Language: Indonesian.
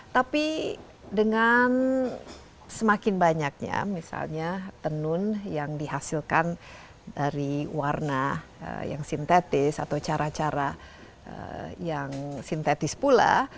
tapi dengan semakin banyaknya misalnya tenun yang dihasilkan dari warna yang sintetis atau cara cara yang sintetis pula